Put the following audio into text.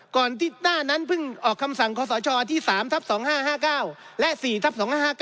ก่อนที่หน้านั้นเพิ่งออกคำสั่งคศที่๓ทับ๒๕๕๙และ๔ทับ๒๕๕๙